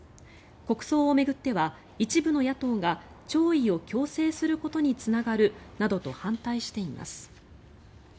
国葬を巡っては一部の野党が弔意を強制することにつながるなどと反対しています。